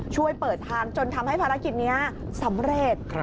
ช่วยเปิดทางจนทำให้ภารกิจนี้สำเร็จ